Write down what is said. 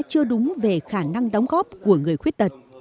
chưa đúng về khả năng đóng góp của người khuyết tật